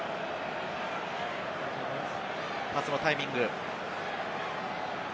パスのタイミング。